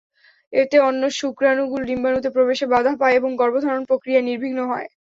এতে অন্য শুক্রাণুগুলো ডিম্বাণুতে প্রবেশে বাধা পায় এবং গর্ভধারণ প্রক্রিয়া নির্বিঘ্ন হয়।